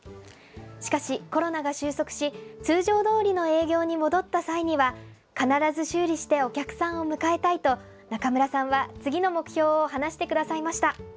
しかしコロナが終息し、通常どおりの営業に戻った際には、必ず修理して、お客さんを迎えたいと、中村さんは次の目標を話してくださいました。